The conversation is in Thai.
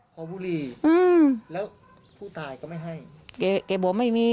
ก็บุรีเนี่ยผู้ตายเขาไม่ให้